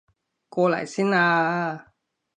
過嚟先啊啊啊